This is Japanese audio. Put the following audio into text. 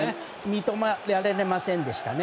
三笘、やれませんでしたね